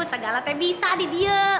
segala apa yang bisa di dia